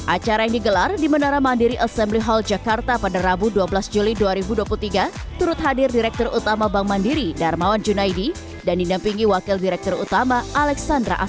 acara yang digelar di menara mandiri assembly hall jakarta pada rabu dua belas juli dua ribu dua puluh tiga turut hadir direktur utama bank mandiri darmawan junaidi dan dinampingi wakil direktur utama alexandra